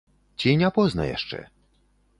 Ці не позна яшчэ?